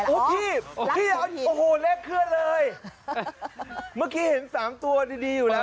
โอ้โหเลขเคลื่อนเลยเมื่อกี้เห็น๓ตัวดีอยู่แล้ว